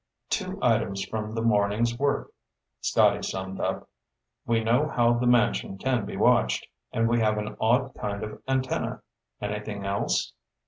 "Two items from the morning's work," Scotty summed up. "We know how the mansion can be watched, and we have an odd kind of antenna. Anything else?"